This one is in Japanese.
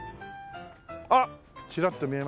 あっチラッと見えました。